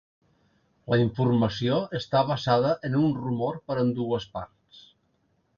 La informació està basada en un rumor per ambdues parts.